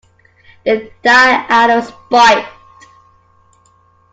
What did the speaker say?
They die out of spite.